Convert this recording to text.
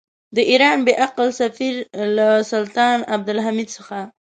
د ایران بې عقل سفیر له سلطان عبدالحمید څخه.